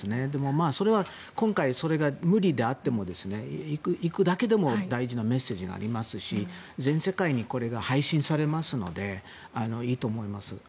それは今回それが無理であっても行くだけでも大事なメッセージになりますし全世界にこれが配信されますのでいいと思います。